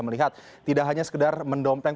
melihat tidak hanya sekedar mendompleng